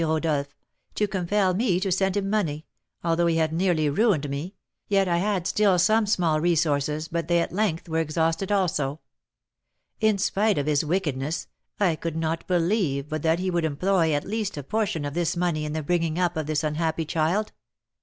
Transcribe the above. Rodolph, to compel me to send him money; although he had nearly ruined me, yet I had still some small resources, but they at length were exhausted also. In spite of his wickedness, I could not believe but that he would employ, at least, a portion of this money in the bringing up of this unhappy child."